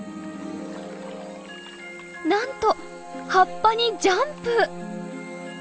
なんと葉っぱにジャンプ！